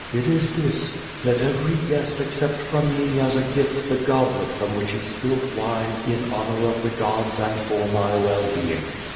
It is this: Let every guest accept from me as a gift the goblet from which he spilt wine in honor of the gods and for my well being."